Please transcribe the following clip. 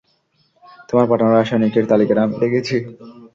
তোমার পাঠানো রাসায়নিকের তালিকাটা আমি দেখেছি।